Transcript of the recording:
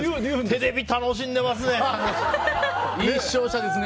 テレビ楽しんでますね。